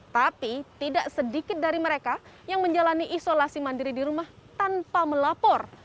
tapi tidak sedikit dari mereka yang menjalani isolasi mandiri di rumah tanpa melapor